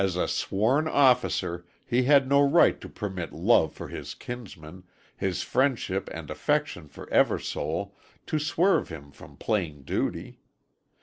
As a sworn officer he had no right to permit love for his kinsman, his friendship and affection for Eversole, to swerve him from plain duty.